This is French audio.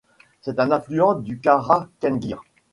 C’est un affluent du Каrа-Kenguir.